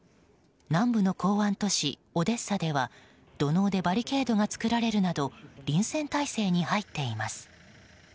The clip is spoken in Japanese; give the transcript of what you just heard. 南部の港湾都市オデッサでは土のうでバリケードが作られるなど臨戦態勢に入っています。